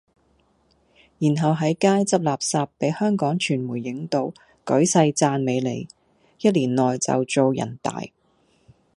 然後係街執垃圾比香港傳媒影到，舉世讚美你，一年內就做人大。